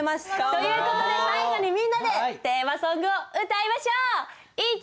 という事で最後にみんなでテーマソングを歌いましょう！